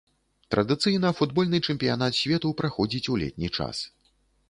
Традыцыйна футбольны чэмпіянат свету праходзіць у летні час.